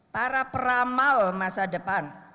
para peramal masa depan